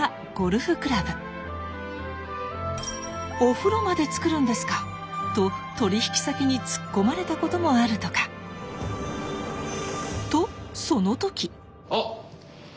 「お風呂まで作るんですか」と取引先に突っ込まれたこともあるとか。とその時。